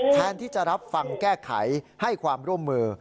แทนที่จะรับฟังแก้ไขให้ความร่วมมือ